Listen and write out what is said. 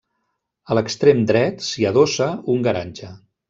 A l'extrem dret s'hi adossa un garatge.